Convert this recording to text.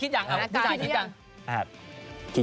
วิจัยคิดอย่าง